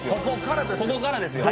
ここからっすよ